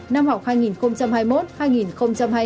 năm học hai nghìn hai mươi một hai nghìn hai mươi hai trên cả nước